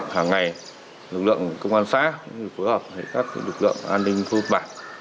hằng ngày lực lượng công an xã phối hợp với các lực lượng an ninh phương bản